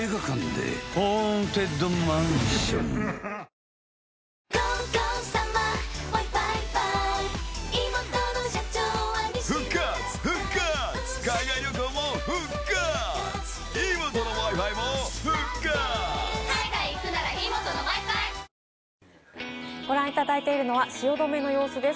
続くご覧いただいているのは汐留の様子です。